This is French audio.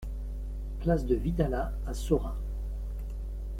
Place de Vidalat à Saurat